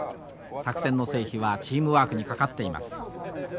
作戦の成否はチームワークにかかっています。